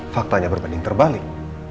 faktanya berbanding terbalik